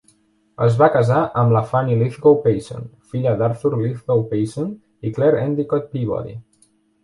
Es va casar amb la Fannie Lithgow Payson, filla d'Arthur Lithgow Payson i Claire Endicott Peabody.